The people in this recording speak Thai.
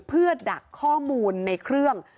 เพื่อดักข้อมูลในเครื่อง